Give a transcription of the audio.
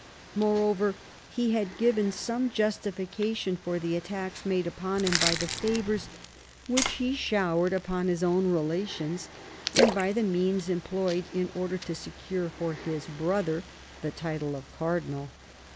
Moreover, he had given some justification for the attacks made upon him by the favours which he showered upon his own relations, and by the means employed in order to secure for his brother the title of cardinal.